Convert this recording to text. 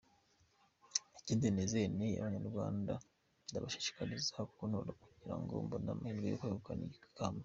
Ikindi nizeye ni Abanyarwanda, ndabashishikariza kuntora kugira ngo mbone amahirwe yo kwegukana ikamba.